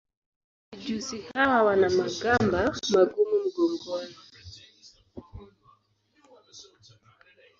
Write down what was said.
Mijusi hawa wana magamba magumu mgongoni.